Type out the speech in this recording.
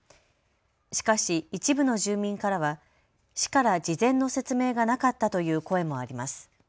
しかし一部の住民からは市から事前の説明がなかったという声もあります。